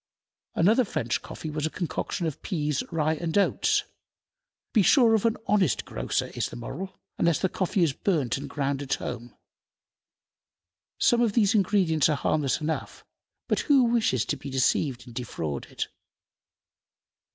Another French coffee was a concoction of peas, rye, and oats. Be sure of an honest grocer, is the moral, unless the coffee is burnt and ground at home. Some of these ingredients are harmless enough, but who wishes to be deceived and defrauded?